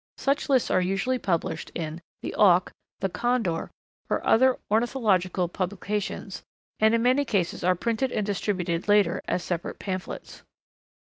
Such lists are usually first published in The Auk, The Condor, or other ornithological publications, and in many cases are printed and distributed later as separate pamphlets.